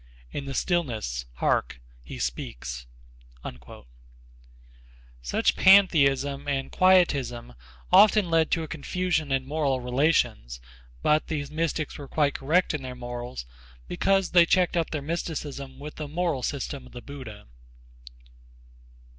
In the stillness, hark, he speaks!" [Footnote: K. J. Saunders in Epochs of Buddhist History.] Such pantheism and quietism often lead to a confusion in moral relations, but these mystics were quite correct in their morals because they checked up their mysticism with the moral system of the Buddha.